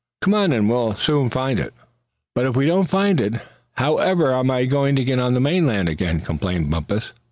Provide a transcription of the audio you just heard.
Come on, and we'll soon find out." "But if we don't find it however am I going to get on the main land again?" complained Bumpus.